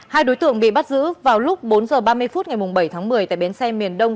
hai đối tượng bị bắt giữ vào lúc bốn h ba mươi phút ngày bảy tháng một mươi tại bến xe miền đông